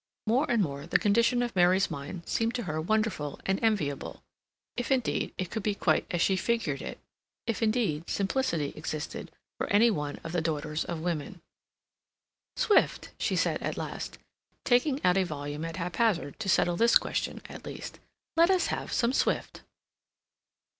More and more the condition of Mary's mind seemed to her wonderful and enviable—if, indeed, it could be quite as she figured it—if, indeed, simplicity existed for any one of the daughters of women. "Swift," she said, at last, taking out a volume at haphazard to settle this question at least. "Let us have some Swift."